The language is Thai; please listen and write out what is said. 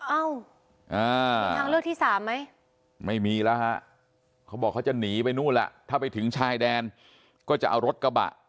นางเลิกที่๓ไม่มีเล่าค่ะเขาบอกจะหนีไปนู่นแหละถ้าไปถึงชายแดนก็จะเอารสกระบะ